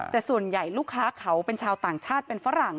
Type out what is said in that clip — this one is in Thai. แต่ส่วนใหญ่ลูกค้าเขาเป็นชาวต่างชาติเป็นฝรั่ง